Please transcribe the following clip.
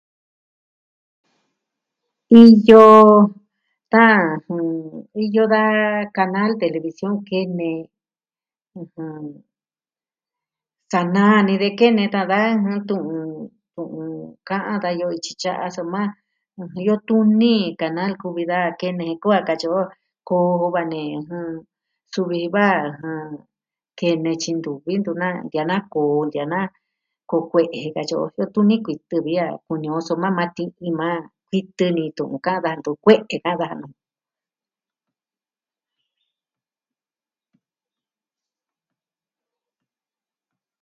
Iyo tan jɨ... iyo da kanal television kene... ɨjɨn, sa naa ni den kene tan da nantu'un ka'an dayo ityi tya'a soma ntu iyo tuni kanal kuvi da kene ku'va katyi o koo va'a nee ɨjɨn... suvi va ɨjɨn... kene tyi ntuvi vii, ntu naa ntia'an na koo, ntia'an na kokue'e jen katyi o kue'e tuni kuitɨ vi a kuni o, soma maa ti'in, maa titɨ ni tu'un ka'an da ntu kue'e ka'an daja nu.